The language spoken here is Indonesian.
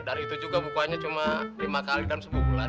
dari itu juga bukanya cuma lima kali dan sebulan